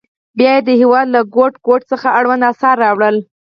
بیا یې د هېواد له ګوټ ګوټ څخه اړوند اثار راوړل.